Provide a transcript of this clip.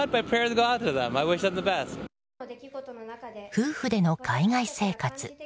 夫婦での海外生活。